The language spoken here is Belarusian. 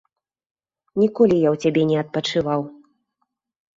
Ніколі я ў цябе не адпачываў.